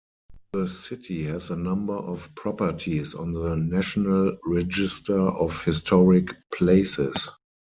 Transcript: The city has a number of properties on the National Register of Historic Places.